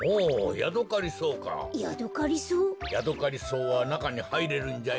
ヤドカリソウはなかにはいれるんじゃよ。